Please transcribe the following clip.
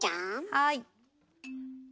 はい。